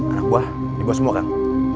anak buah dibawa semua kan